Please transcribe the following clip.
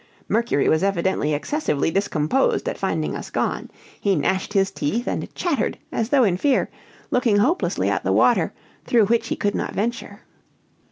Mercury was evidently excessively discomposed at finding us gone; he gnashed his teeth, and chattered, as though in fear, looking hopelessly at the water, through which he could not venture.